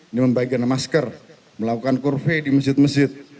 ini membagikan masker melakukan kurvey di masjid masjid